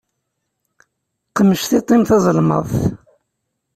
Qmec tiṭ-im tazelmaḍt.